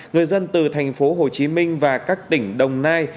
người dân từ thành phố hồ chí minh và các tỉnh đồng nai